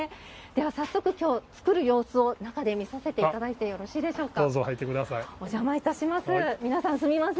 早速、今日作る様子を中で見させていただいてもよろしいでしょうか。